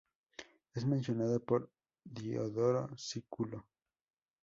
Es mencionada por Diodoro Sículo.